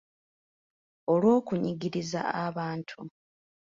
Olw’okunyigiriza abantu.